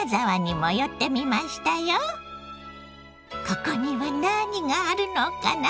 ここには何があるのかな？